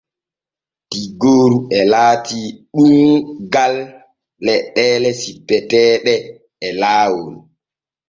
Tiggooru e laati ɗuuggal leɗɗeele cippeteeɗe e laawol.